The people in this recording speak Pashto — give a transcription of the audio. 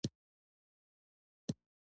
ګرمسېر او سیستان څخه نیولې.